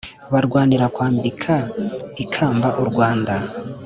barwanira kwambika ikamba u rwanda